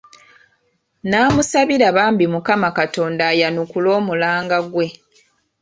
Nnamusabira bambi Mukama Katonda ayanukule omulanga gwe.